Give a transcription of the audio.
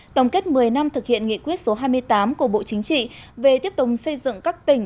tổng kết một mươi năm thực hiện nghị quyết số hai mươi tám của bộ chính trị về tiếp tục xây dựng các tỉnh